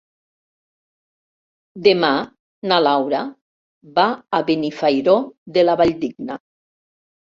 Demà na Laura va a Benifairó de la Valldigna.